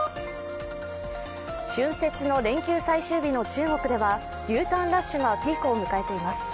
春節の連休最終日の中国では、Ｕターンラッシュがピークを迎えています。